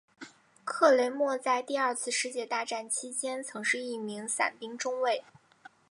克雷默在第二次世界大战期间曾是一名伞兵中尉。